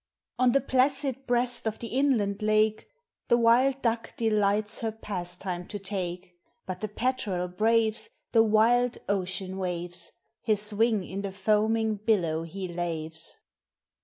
On the placid breast of the inland lake The wild duck delights her pastime to take; ANIMATE NATURE. 333 But the petrel braves The wild ocean waves, His wing in the foaming billow he laves.